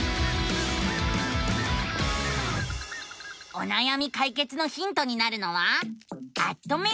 おなやみ解決のヒントになるのは「アッ！とメディア」。